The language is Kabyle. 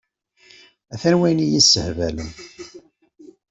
Hata wayen i y-issehbalen.